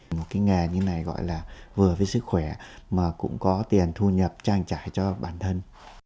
một cái nghề như này gọi là vừa với sức khỏe mà cũng có tiền thu nhập trang trải cho bản thân